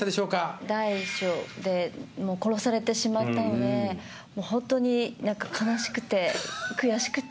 第１章で殺されてしまったのでホントに悲しくて悔しくて。